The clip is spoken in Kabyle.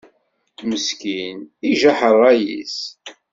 Meskin, ijaḥ ṛṛay-is.